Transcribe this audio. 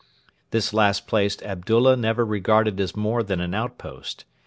This last place Abdullah never regarded as more than an outpost.